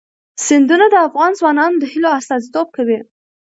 سیندونه د افغان ځوانانو د هیلو استازیتوب کوي.